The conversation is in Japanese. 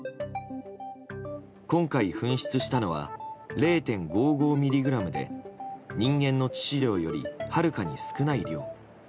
今回、紛失したのは０．５５ｍｇで人間の致死量よりはるかに少ない量。